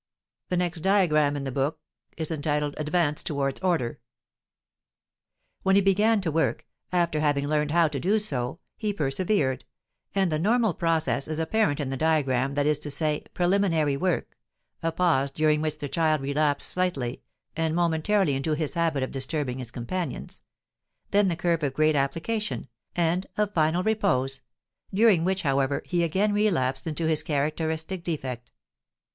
[Illustration: Advance towards Order] When he began to work, after having learned how to do so, he persevered, and the normal process is apparent in the diagram; that is to say, preliminary work, a pause (during which the child relapsed slightly and momentarily into his habit of disturbing his companions), then the curve of great application, and of final repose (during which, however, he again relapsed into his characteristic defect).